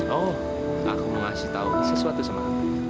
oh aku mau ngasih tahu sesuatu sama kamu